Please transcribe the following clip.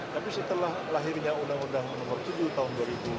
tapi setelah lahirnya undang undang nomor tujuh tahun dua ribu tujuh belas